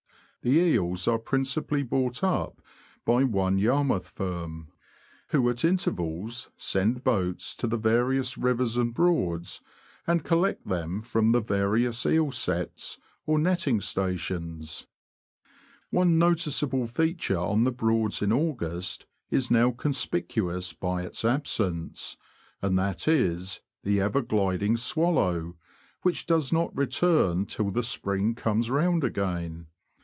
The eels are princi pally bought up by one Yarmouth firm, who at intervals send boats to the various rivers and Broads, Q 226 THE LAND OF THE BROADS. and collect them from the various eel ''sets," or netting stations. One noticeable feature on the Broads in August is now conspicuous by its absence, and that is, the ever gliding swallow, which does not return till the spring comes round again.